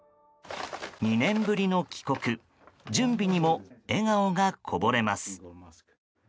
２年ぶりの帰国準備にも笑顔がこぼれます。